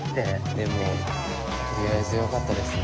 でもとりあえずよかったですね。